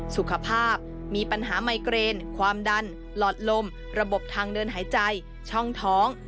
สุขภาพมีปัญหาไมเกรนความดันหลอดลมระบบทางเดินหายใจช่องท้อง